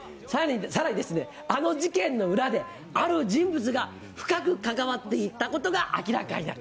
更に、あの事件の裏である人物が深く関わっていたことが明らかになる。